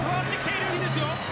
いいですよ！